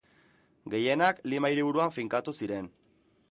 Gehienak Lima hiriburuan finkatu ziren.